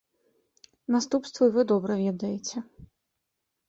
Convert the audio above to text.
Наступствы вы добра ведаеце.